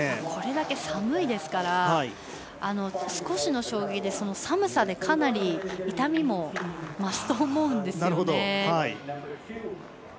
これだけ寒いですから少しの衝撃で、寒さでかなり痛みも増すと思うんですよ。